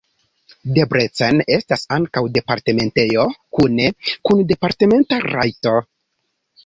Debrecen estas ankaŭ departementejo kune kun departementa rajto.